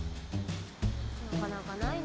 なかなかないね。